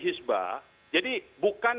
hisba jadi bukan